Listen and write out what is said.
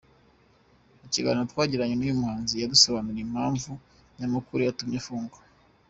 Mu kiganiro twagiranye n’uyu muhanzi yadusobanuriye impamvu nyamukuru yatumye afungwa.